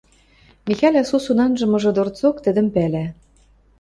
Михӓлӓ сусун анжымыжы дорцок тӹдӹм пӓлӓ.